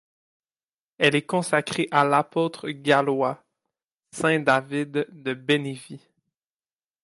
Elle est consacrée à l'apôtre gallois, saint David de Ménevie.